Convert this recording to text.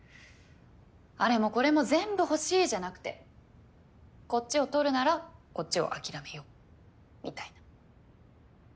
あれもこれも全部欲しいじゃなくてこっちを取るならこっちを諦めようみたいな。